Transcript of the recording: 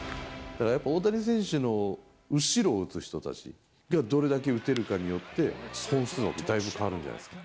大谷選手の後ろを打つ人たちがどれだけ打てるかによって、本数もだいぶ変わるんじゃないですか。